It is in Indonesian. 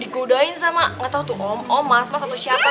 gak tau tuh om mas atau siapa